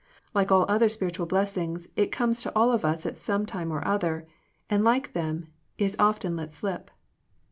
Like all other spiritual blessings it comes to all of us at some time or other, and like them is often let slip.